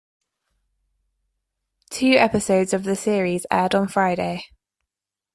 Two episodes of the series aired on Friday.